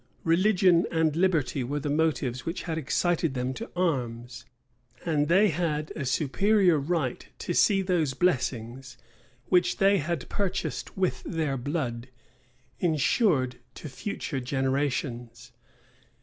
[] Religion and liberty were the motives which had excited them to arms; and they had a superior right to see those blessings, which they had purchased with their blood, insured to future generations.